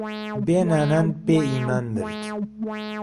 بێ نانان بێ ئیمان مرد